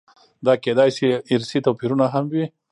دا کېدای شي ارثي توپیرونه هم وي.